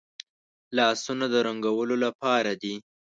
لاسونه د رنګولو لپاره دي